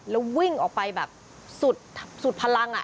แล้ววิ่งออกไปแบบสุดพลัง